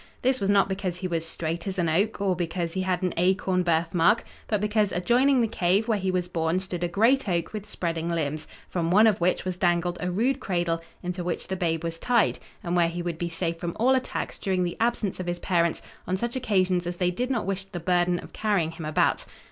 This was not because he was straight as an oak, or because he had an acorn birthmark, but because adjoining the cave where he was born stood a great oak with spreading limbs, from one of which was dangled a rude cradle, into which the babe was tied, and where he would be safe from all attacks during the absence of his parents on such occasions as they did not wish the burden of carrying him about.